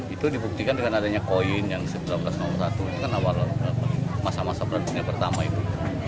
itu dibuktikan dengan adanya koin yang seribu sembilan ratus satu itu kan awal masa masa berhentinya pertama itu